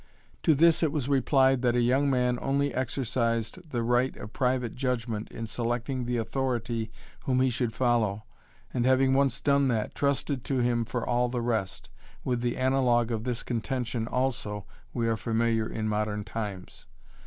To this it was replied that a young man only exercised the right of private judgment in selecting the authority whom he should follow, and, having once done that, trusted to him for all the rest. With the analogue of this contention also we are familiar in modern times.